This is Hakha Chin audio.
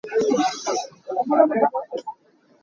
Ngakchia thlimnak bawm.